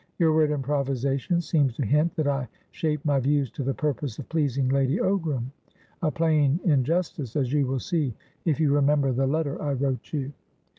Your word 'improvisation' seems to hint that I shaped my views to the purpose of pleasing Lady Ograma plain injustice, as you will see if you remember the letter I wrote you."